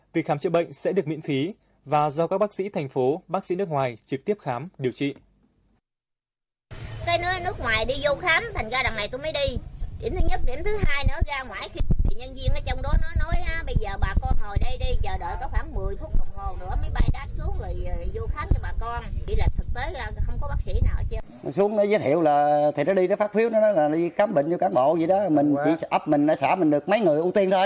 việc khám chữa bệnh sẽ được miễn phí và do các bác sĩ thành phố bác sĩ nước ngoài trực tiếp khám điều trị